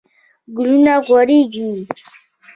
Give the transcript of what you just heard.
ګلونه غوړیږي